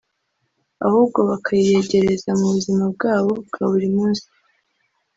ahubwo bakayiyegereza mu buzima bwabo bwa buri munsi